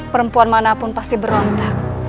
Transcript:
perempuan manapun pasti berontak